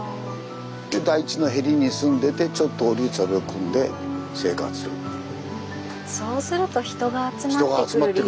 で台地のへりに住んでてちょっと下りるとあれをくんで生活するという。